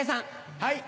はい。